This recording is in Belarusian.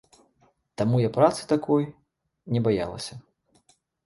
Таму я працы такой не баялася.